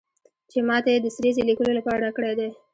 چې ماته یې د سریزې لیکلو لپاره راکړی دی.